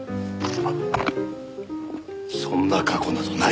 そんな過去などない！